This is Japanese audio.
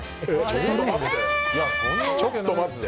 ちょっと待って。